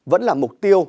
vẫn là mục tiêu